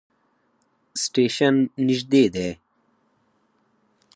سټیشن نژدې دی